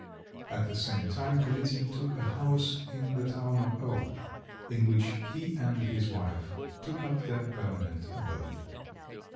At the same time Kalitin took a house in the town of O , in which he and his wife took up their permanent abode.